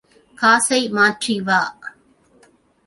காசை மாற்றி வா.